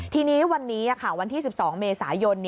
ทีนี้วันนี้วันที่๑๒เมษายน